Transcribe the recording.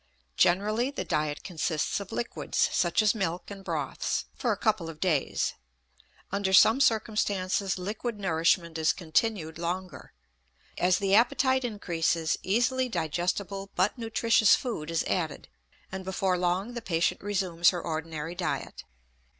Generally the diet consists of liquids, such as milk and broths, for a couple of days; under some circumstances liquid nourishment is continued longer. As the appetite increases easily digestible but nutritious food is added, and before long the patient resumes her ordinary diet.